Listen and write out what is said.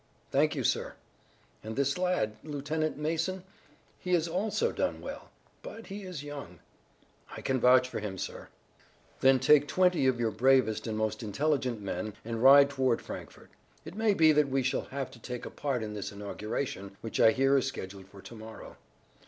"Thank you, sir." "And this lad, Lieutenant Mason, he has also done well. But he is young." "I can vouch for him, sir." "Then take twenty of your bravest and most intelligent men and ride toward Frankfort. It may be that we shall have to take a part in this inauguration, which I hear is scheduled for to morrow."